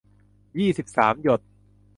ยี่สิบสาม หยด